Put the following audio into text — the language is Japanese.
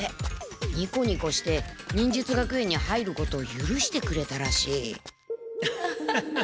ニコニコして忍術学園に入ることをゆるしてくれたらしい。